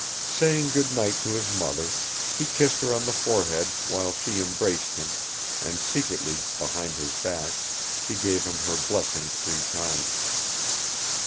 Saying good night to his mother, he kissed her on the forehead while she embraced him and secretly behind his back she gave him her blessing three times.